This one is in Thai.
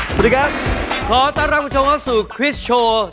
สวัสดีครับขอต้อนรับคุณผู้ชมเข้าสู่คริสโชว์